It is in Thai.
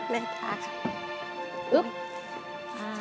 แม่ทาค่ะ